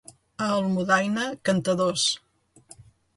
A Almudaina, cantadors.